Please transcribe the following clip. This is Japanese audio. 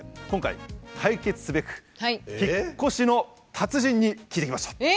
今回解決すべく引っ越しの達人に聞いてきました！